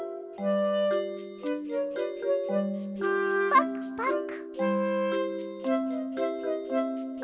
パクパク！